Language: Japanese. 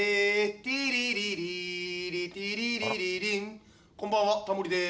ティリリリリティリリリリンこんばんはタモリです。